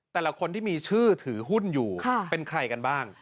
แต่ละคนที่มีชื่อถือหุ้นอยู่เป็นใครกันบ้าง